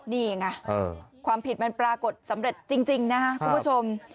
นี่ไงความผิดมันปรากฏสำเร็จจริงนะครับคุณผู้ชม